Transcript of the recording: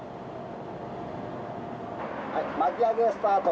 はい巻き上げスタート。